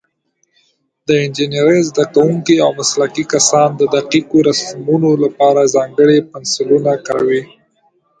د انجینرۍ زده کوونکي او مسلکي کسان د دقیقو رسمونو لپاره ځانګړي پنسلونه کاروي.